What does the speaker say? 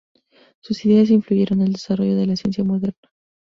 Sus ideas influyeron el desarrollo de la ciencia moderna.